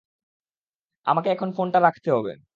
আমাকে এখন ফোনটা রাখতে হবে।